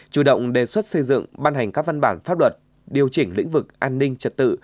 chủ động đề xuất xây dựng ban hành các văn bản pháp luật điều chỉnh lĩnh vực an ninh trật tự